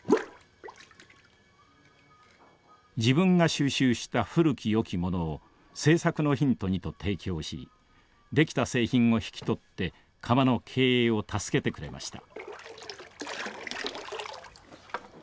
自分が収集した古き良きものを制作のヒントにと提供しできた製品を引き取って窯の経営を助けてくれました。